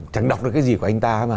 chẳng đọc được cái gì của anh ta